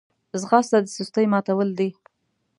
ځغاسته د سستۍ ماتول دي